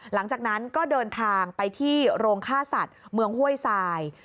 หลังจากนั้นก็เดินทางไปที่โรงฆ่าสัตว์เมืองห้วยทราย